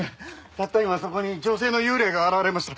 たった今そこに女性の幽霊が現れました。